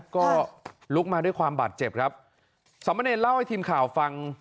ก็ลุกมาด้วยความบาดเจ็บครับสามเณรเล่าให้ทีมข่าวฟัง